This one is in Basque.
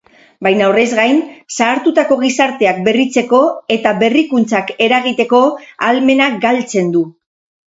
Baina horrez gain, zahartutako gizarteak berritzeko eta berrikuntzak eragiteko ahalmena galtzen du.